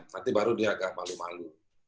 nanti baru dia agak malu malu